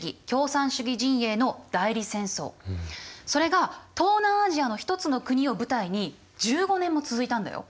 それが東南アジアの一つの国を舞台に１５年も続いたんだよ。